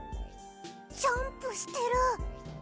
ジャンプしてる。